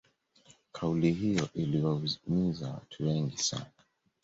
kauli hiyo iliwaumiza watu wengi sana